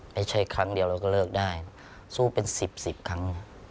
ไม่ใช่ครั้งเดียวเราก็เลิกได้สู้เป็น๑๐๑๐ครั้ง